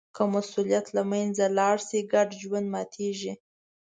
که مسوولیت له منځه لاړ شي، ګډ ژوند ماتېږي.